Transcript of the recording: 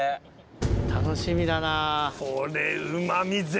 楽しみだな。